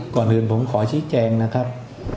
ก่อนอื่นผมขอชี้แจงนะครับ